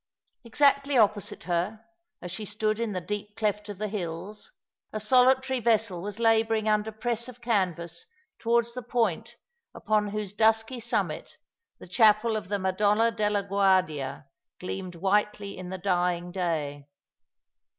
Exactly opposite her, as she stood in the deep cleft of the hills, a solitary vessel was labouring under press of canvas towards the point upon whose dusky summit the chapel of the Madonna della Guardia gleamed whitely in the dying day.